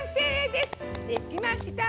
できました。